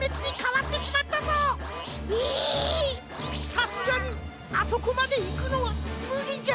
さすがにあそこまでいくのはむりじゃ。